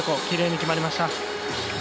きれいに決まりました。